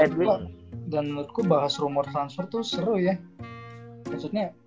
dan menurutku bahas rumor transfer tuh seru ya